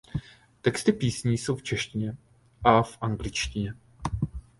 Texty písní jsou v češtině a v angličtině.